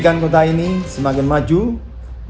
jakarta adalah kota yang menawarkan banyak pengalaman dan pilihan